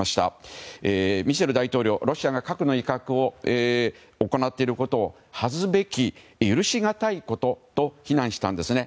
ロシアが核の威嚇を行っていることを恥ずべき許しがたいことと非難したんですね。